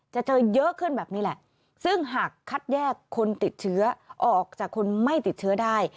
จะเจอเยอะขึ้นแบบนี้แหละซึ่งหากคัดแยกคนติดเชื้อออกจากคนไม่ติดเชื้อได้